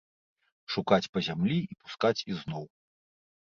Шукаць па зямлі і пускаць ізноў.